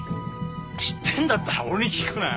知ってんだったら俺に聞くなよ。